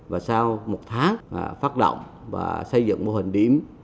và sau một tháng phát động và xây dựng mô hình điểm